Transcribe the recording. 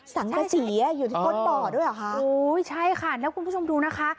สังกษีอ่ะอยู่ที่ก้นบ่อด้วยเหรอคะโอ้ยใช่ค่ะแล้วคุณผู้ชมดูนะคะ